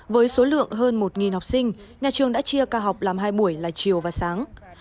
với số lượng hơn một học sinh nhà trường đã chia ca học làm hai buổi là chiều và sáng